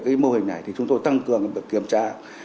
cái mô hình này thì chúng tôi tăng cường việc kiểm tra